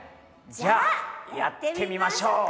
じゃあやってみましょうか！